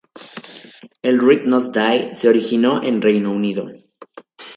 El Red Nose Day se originó en Reino Unido.